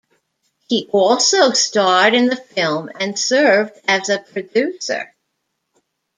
He also starred in the film and served as a producer.